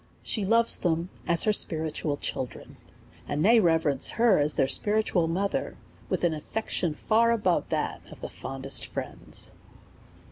She loves them as her spiritual children, and they reverence her as their spiritual mother, with an af fection far above that of the fondest friends.